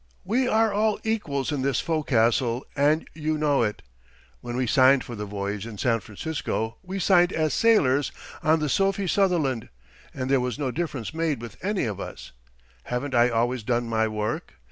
We are all equals in this fo'castle, and you know it. When we signed for the voyage in San Francisco, we signed as sailors on the Sophie Sutherland and there was no difference made with any of us. Haven't I always done my work?